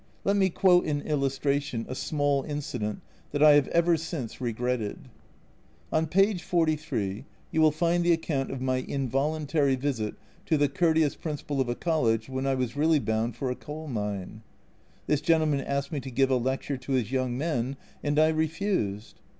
Let me quote in illustration a small incident that I have ever since regretted. On page 43 you will find the account of my involuntary visit to the courteous principal of a College when I was really bound for a coal mine. This gentleman asked me to give a lecture to his young men, and I refused.